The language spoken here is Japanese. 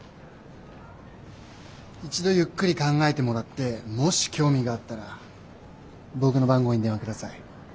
一度ゆっくり考えてもらってもし興味があったら僕の番号に電話下さい。